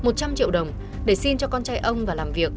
một trăm linh triệu đồng để xin cho con trai ông và làm việc